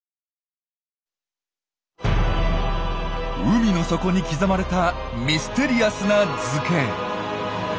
海の底に刻まれたミステリアスな図形。